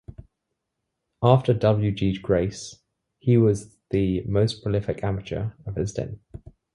After W. G. Grace he was the most prolific amateur of his day.